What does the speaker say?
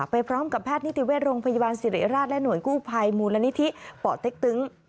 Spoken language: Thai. ไปพร้อมกับแพทย์นิติเวชโรงพยาบาลสิริราชและหน่วยกู้ภัยมูลนิธิป่อเต็กตึง